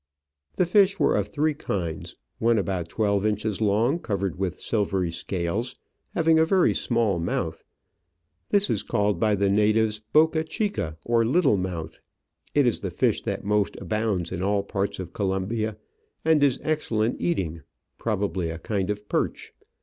The fish were of three kinds, one about twelve inches long, covered with silvery scales, having a very small mouth. This is called by the natives Boca chica, or little mouth ; it is the fish that most abounds in all parts of Colombia, and is excellent eating, probably a kind of perch.